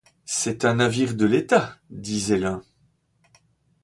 C’est un navire de l’État... disait l’un.